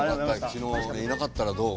昨日いなかったらどう？